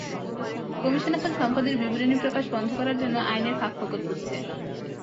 Commission এখন সম্পদের বিবরণী প্রকাশ বন্ধ করার জন্য আইনের ফাঁকফোকর খুঁজছে।